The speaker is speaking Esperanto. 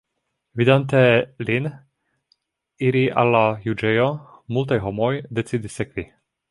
Vidante lin iri al la juĝejo, multaj homoj decidis sekvi.